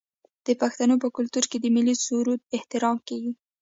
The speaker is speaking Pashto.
د پښتنو په کلتور کې د ملي سرود احترام کیږي.